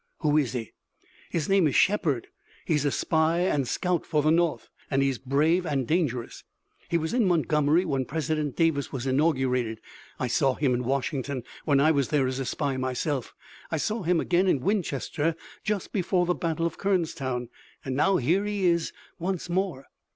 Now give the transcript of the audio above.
"Who is he?" "His name is Shepard. He's a spy and scout for the North, and he is brave and dangerous. He was in Montgomery when President Davis was inaugurated. I saw him in Washington when I was there as a spy myself. I saw him again in Winchester just before the battle of Kernstown, and now here he is once more."